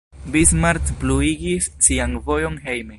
Bismarck pluigis sian vojon hejme.